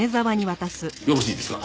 よろしいですか？